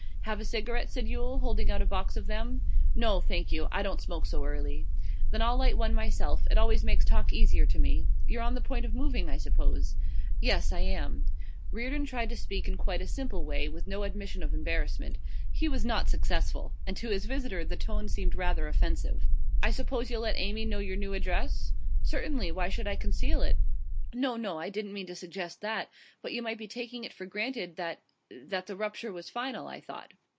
'Have a cigarette?' said Yule, holding out a box of them. 'No, thank you; I don't smoke so early.' 'Then I'll light one myself; it always makes talk easier to me. You're on the point of moving, I suppose?' 'Yes, I am.' Reardon tried to speak in quite a simple way, with no admission of embarrassment. He was not successful, and to his visitor the tone seemed rather offensive. 'I suppose you'll let Amy know your new address?' 'Certainly. Why should I conceal it?' 'No, no; I didn't mean to suggest that. But you might be taking it for granted that that the rupture was final, I thought.